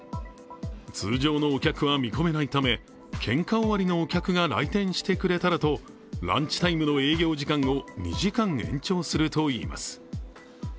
通常のお客は見込めないため、献花終わりのお客が来店してくれたらとランチタイムの営業時間を２時間延長するといいます。